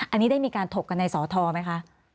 อันนี้ได้มีการถกกันในสอทรไหมคะ